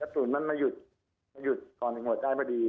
กระสุนมันมาหยุดมาหยุดก่อนหัวใจพอดีเลย